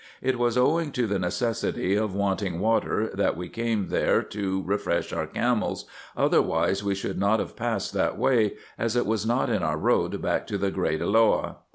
It was owing to the necessity of wanting water that we came there to refresh our camels, otherwise we should not have passed that way, as it was not in our road back to the great Elloah.